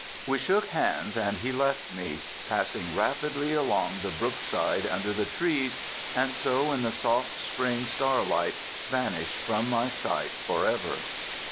We shook hands, and he left me, passing rapidly along the brook side under the trees, and so in the soft spring starlight vanished from my sight forever.